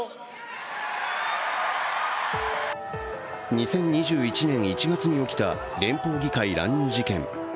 ２０２１年１月に起きた連邦議会乱入事件。